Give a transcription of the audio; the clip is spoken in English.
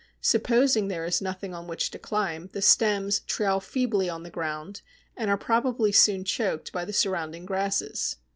Supposing there is nothing on which to climb, the stems trail feebly on the ground, and are probably soon choked by the surrounding grasses.